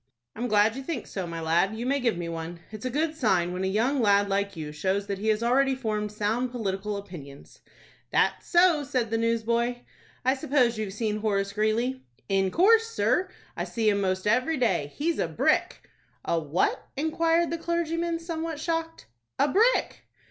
"I'm glad you think so, my lad. You may give me one. It's a good sign when a young lad like you shows that he has already formed sound political opinions." "That's so," said the newsboy. "I suppose you've seen Horace Greeley?" "In course, sir, I see him most every day. He's a brick!" "A what?" inquired the clergyman, somewhat shocked. "A brick!"